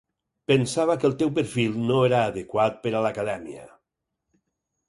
Pensava que el teu perfil no era adequat per a l’Acadèmia.